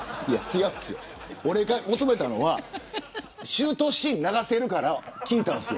俺が求めたのはシュートシーン流せるから聞いたんです。